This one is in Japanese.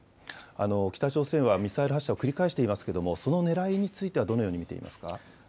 北朝鮮はミサイル発射を繰り返していますけれども、そのねらいについては、どのように見ていますか。